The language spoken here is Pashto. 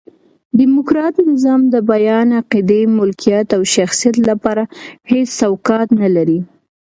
ډیموکرات نظام د بیان، عقیدې، ملکیت او شخصیت له پاره هيڅ چوکاټ نه لري.